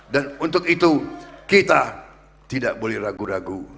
dan untuk itu kita tidak boleh ragu ragu